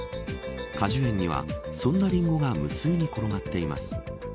果樹園にはそんなリンゴが無数に転がっています。